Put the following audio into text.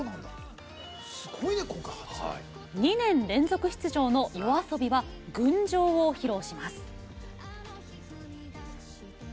２年連続出場のＹＯＡＳＯＢＩは「群青」を披露します